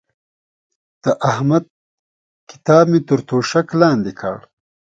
د احمد کتاب مې تر توشک لاندې کړ.